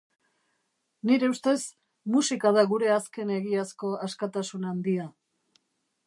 Nire ustez, musika da gure azken egiazko askatasun handia.